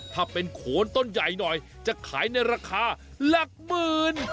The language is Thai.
ถ้าเป็นโขนต้นใหญ่หน่อยจะขายในราคาหลักหมื่น